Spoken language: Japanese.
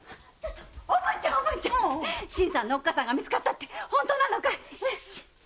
おぶんちゃん新さんのおっかさんが見つかったって本当なのかい⁉シーッ！